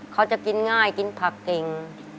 เขาจะกินง่ายกินผักเก่ง